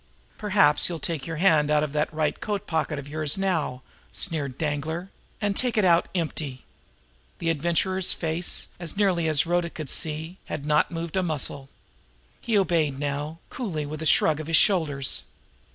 "Perhaps you'll take your hand out of that right hand coat pocket of yours now!" sneered Danglar. "And take it out empty!" The Adventurer's face, as nearly as Rhoda Gray could see, had not moved a muscle. He obeyed now, coolly, with a shrug of his shoulders.